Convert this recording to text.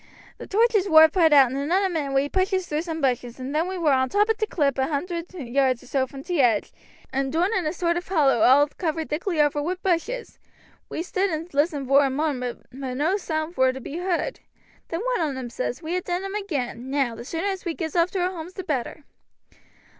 The torches war put out, and in another minute we pushes through some bushes and then we war on t' top of the cliff a hundred yards or so back from t' edge, and doon in a sort of hollow all covered thickly over wi' bushes. We stood and listened vor a moment, but no sound war to be heard. Then one on em says, 'We ha' done 'em agin. Now the sooner as we gets off to our homes the better.'